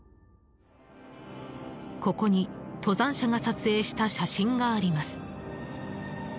ここに登山者が撮影した写真があります。